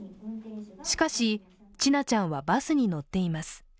しかし、千奈ちゃんはバスに乗っています。